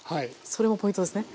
それもポイントですね。